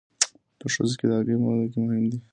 په ښځو کې د هګۍ په وده کې مهم دی.